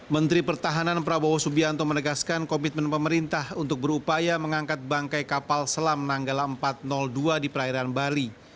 menteri pertahanan prabowo subianto menegaskan komitmen pemerintah untuk berupaya mengangkat bangkai kapal selam nanggala empat ratus dua di perairan bali